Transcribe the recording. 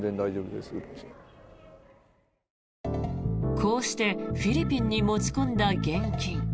こうしてフィリピンに持ち込んだ現金。